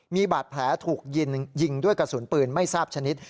มีบาดแผลถูกยิงยิงด้วยกระสุนปืนไม่ทราบชนิด